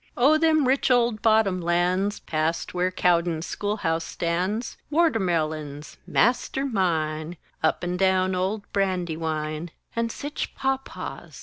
O them rich old bottom lands, Past where Cowden's Schoolhouse stands! Wortermelons master mine! Up and down old Brandywine! And sich pop paws!